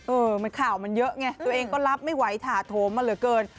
ข่าวมันเยอะไงตัวเองก็รับไม่ไหวถาโถมมาเหลือเกิน